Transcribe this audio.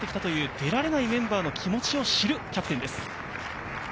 出られないメンバーの気持ちを知るキャプテンです。